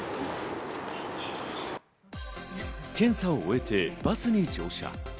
検査を終えてバスに乗車。